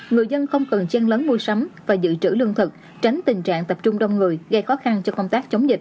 người dân không cần chân lấn mua sắm và dự trữ lương thực tránh tình trạng tập trung đông người gây khó khăn cho công tác chống dịch